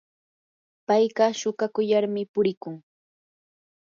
payqa shuukakullar purikun.